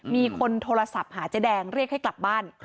มีคนโทรศัพท์หาเจ๊แดงเรียกให้กลับบ้าน